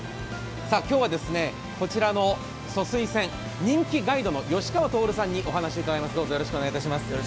今日はこちらの疎水船、人気ガイドの吉川亨さんにお越しいただきました。